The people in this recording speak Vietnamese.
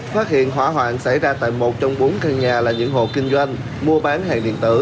phát hiện hỏa hoạn xảy ra tại một trong bốn căn nhà là những hộ kinh doanh mua bán hàng điện tử